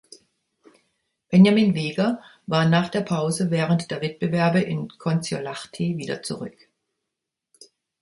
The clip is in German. Benjamin Weger war nach der Pause während der Wettbewerbe in Kontiolahti wieder zurück.